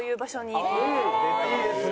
ああいいですね。